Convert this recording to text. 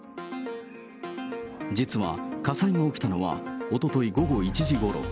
実は火災が起きたのはおととい午後１時ごろ。